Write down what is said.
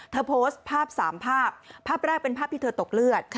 โพสต์ภาพ๓ภาพภาพแรกเป็นภาพที่เธอตกเลือด